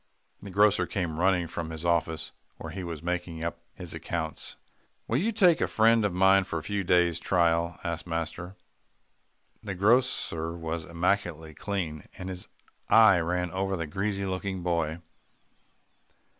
The grocer came running from his office where he was making up his accounts. "Will you take a friend of mine for a few days' trial?" asked master. The grocer was immaculately clean, and his eye ran over the greasy looking boy.